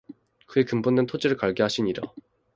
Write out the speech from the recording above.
그의 근본된 토지를 갈게 하시니라